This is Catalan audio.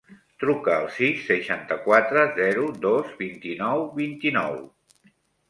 Truca al sis, seixanta-quatre, zero, dos, vint-i-nou, vint-i-nou.